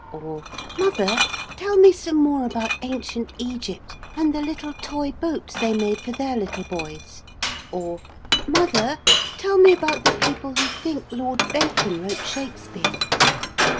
Or, 'Mother, tell me some more about ancient Egypt and the little toy boats they made for their little boys.' Or, 'Mother, tell me about the people who think Lord Bacon wrote Shakespeare.'